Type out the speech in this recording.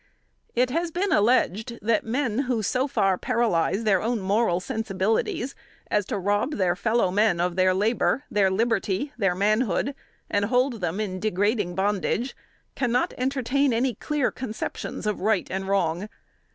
It has been alleged, that men who so far paralyze their own moral sensibilities as to rob their fellow men of their labor, their liberty, their manhood, and hold them in degrading bondage, can not entertain any clear conceptions of right and wrong.